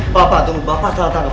bapak tunggu bapak salah satu